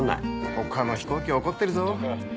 ほかの飛行機怒ってるぞー。